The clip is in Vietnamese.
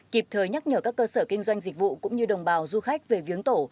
kịp thời nhắc nhở các cơ sở kinh doanh dịch vụ cũng như đồng bào du khách về viếng tổ